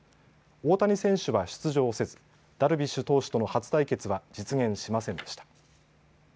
大谷選手は出場せずダルビッシュ投手との初対決は実現しませんでした。